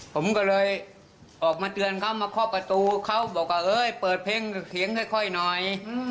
ผมก็เลยออกมาเตือนเขามาเคาะประตูเขาบอกว่าเอ้ยเปิดเพลงเสียงค่อยหน่อย